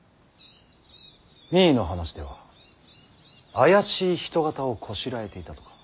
実衣の話では怪しい人形をこしらえていたとか。